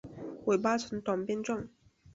尾巴呈短鞭状。